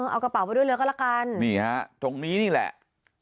เอากระเป๋าไปด้วยเลยก็ละกันนี่ฮะตรงนี้นี่แหละ